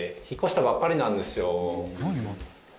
引っ越したばっかりなんですよ。